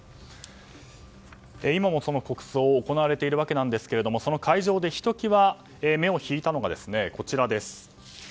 今もその国葬行われているわけですがその会場で、ひときわ目を引いたのがこちらです。